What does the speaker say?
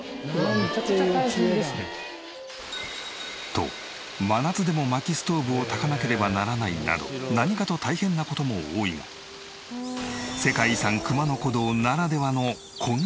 めちゃくちゃ大変ですね。と真夏でも薪ストーブをたかなければならないなど何かと大変な事も多いが世界遺産熊野古道ならではのこんなメリットも。